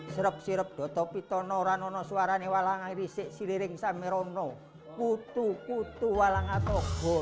serep serep do topi tono ranono suarani walangai risik siliring samirono kutu kutu walangato go